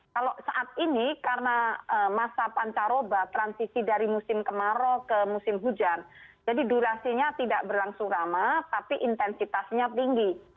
kalau saat ini karena masa pancaroba transisi dari musim kemarau ke musim hujan jadi durasinya tidak berlangsung lama tapi intensitasnya tinggi